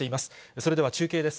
それでは中継です。